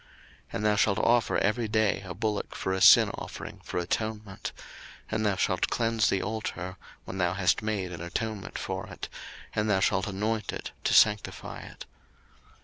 02:029:036 And thou shalt offer every day a bullock for a sin offering for atonement: and thou shalt cleanse the altar, when thou hast made an atonement for it, and thou shalt anoint it, to sanctify it.